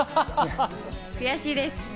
悔しいです。